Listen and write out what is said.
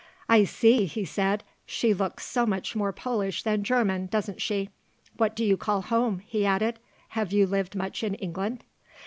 "I see," he said. "She looks so much more Polish than German, doesn't she? What do you call home?" he added. "Have you lived much in England?"